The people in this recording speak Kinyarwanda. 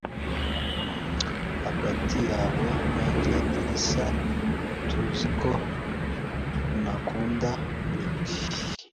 Hagati yawe nanjye, Lisa, tuzi ko ntakunda Nick.